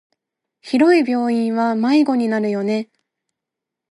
広い病院は迷子になるよね。